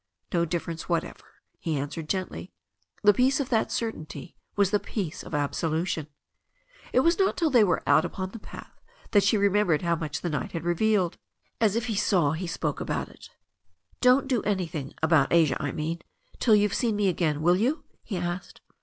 "No difference whatever," he answered gently. The peace of that certainty was the peace of absolution. It was not till they were out upon the path that she re membered how much the night had revealed. As if he saw he spoke about it. "Don't do an)rthing, about Asia, I mean, till you've seen me again, will you?" he asked.